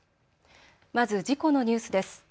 まず事故のニュースです。